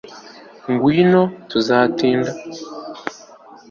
ngwino! tuzatinda